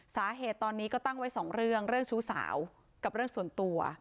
สาเหตุตอนนี้ก็ตั้งไว้สองเรื่องเรื่องชู้สาวกับเรื่องส่วนตัว